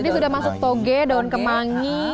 ini sudah masuk toge daun kemangi